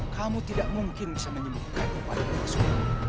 kamu tidak mungkin bisa menyembuhkan upadil yang bersuhu